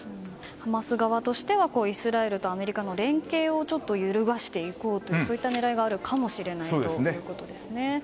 ハマス側としてはイスラエルとアメリカの連携をちょっと揺るがしていこうという狙いがあるかもしれないということですね。